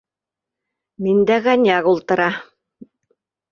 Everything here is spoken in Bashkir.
Миндә коньяк ултыра